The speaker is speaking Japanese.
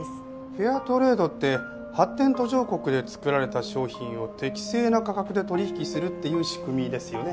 フェアトレードって発展途上国で作られた商品を適正な価格で取引するっていう仕組みですよね？